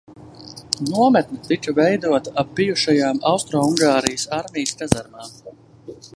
Nometne tika veidota ap bijušajām Austroungārijas armijas kazarmām.